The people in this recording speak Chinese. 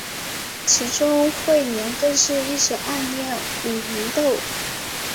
其中彗莲更是一直暗恋武零斗。